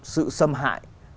sự xâm hại